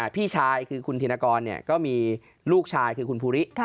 พี่ชายคือคุณธินกรก็มีลูกชายคือคุณภูริ